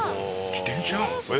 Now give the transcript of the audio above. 自転車？